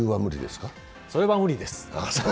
それは無理です。